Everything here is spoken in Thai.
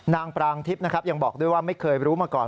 ปรางทิพย์นะครับยังบอกด้วยว่าไม่เคยรู้มาก่อน